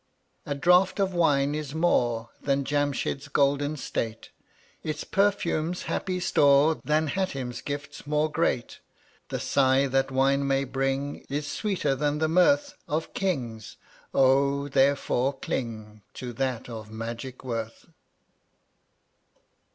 155 A draught of wine is more Than Jamshid's golden state, Its perfume's happy store Than Hatim's gifts more great. The sigh that wine may bring Is sweeter than the mirth Of kings; oh, therefore cling To that of magic worth.